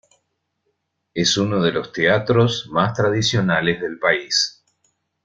Es uno de los teatros más tradicionales del país.